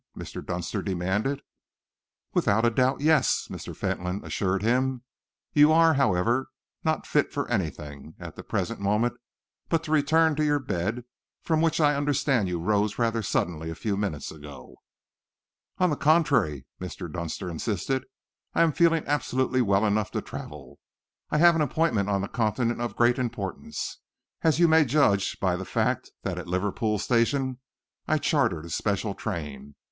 Mr. Dunster demanded. "Without a doubt, yes!" Mr. Fentolin assured him. "You, however, are not fit for anything, at the present moment, but to return to your bed, from which I understand you rose rather suddenly a few minutes ago." "On the contrary," Mr. Dunster insisted, "I am feeling absolutely well enough to travel. I have an appointment on the Continent of great importance, as you may judge by the fact that at Liverpool Street I chartered a special train.